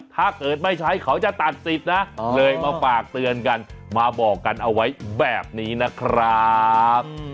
ถ้าเกิดไม่ใช้เขาจะตัดสิทธิ์นะเลยมาฝากเตือนกันมาบอกกันเอาไว้แบบนี้นะครับ